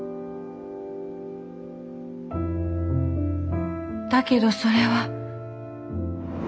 心の声だけどそれは。